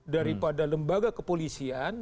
daripada lembaga kepolisian